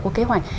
có kế hoạch